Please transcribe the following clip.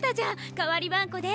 かわりばんこで。